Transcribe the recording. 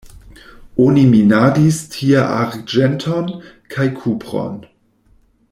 Oni minadis tie arĝenton kaj kupron.